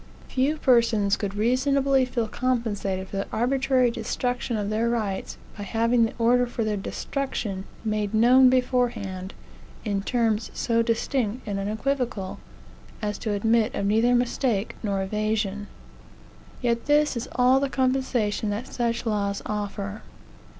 Few persons could reasonably feel compensated for the arbitrary destruction of their rights, by having the order for their destruction made known beforehand, in terms so distinct and unequivocal as to admit of neither mistake nor evasion. Yet this is all the compensation that such laws offer.